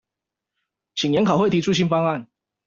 請研考會提出新方案